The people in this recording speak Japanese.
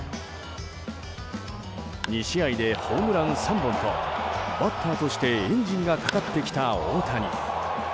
２試合でホームラン３本とバッターとしてエンジンがかかってきた大谷。